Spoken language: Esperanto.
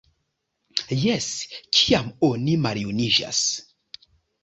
Jes, kiam oni maljuniĝas!